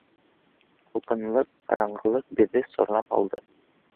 Һалҡынлыҡ, ҡараңғылыҡ беҙҙе сорнап алды.